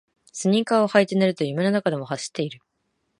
スニーカーを履いて寝ると夢の中でも走っている